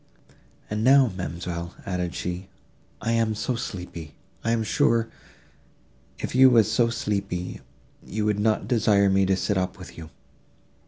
"And now, ma'amselle," added she, "I am so sleepy!—I am sure, if you were so sleepy, you would not desire me to sit up with you."